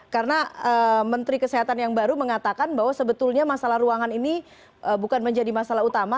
karena menteri kesehatan yang baru mengatakan bahwa sebetulnya masalah ruangan ini bukan menjadi masalah utama